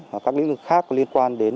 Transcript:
và các lĩnh vực khác liên quan đến đề án